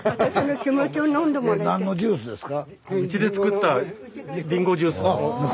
何のジュースですか？